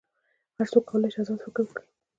هر څوک کولی شي آزاد فکر وکړي.